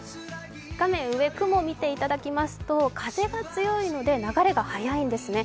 画面上、雲を見ていただきますと風が強いので流れが速いんですね。